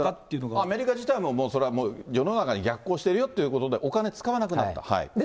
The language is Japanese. アメリカ自体もそれは、世の中に逆行してるよということで、お金使わなくなった。